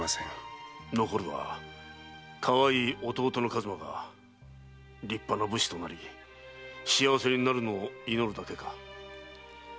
残るはかわいい弟の数馬が立派な武士となり幸せになるのを祈るだけか。